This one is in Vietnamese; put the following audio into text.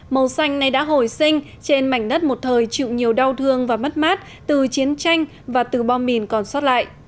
màu xanh này đã hồi sinh trên mảnh đất một thời chịu nhiều đau thương và mất mát từ chiến tranh và từ bom mìn còn sót lại